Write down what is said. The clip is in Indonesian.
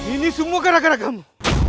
ini semua gara gara kamu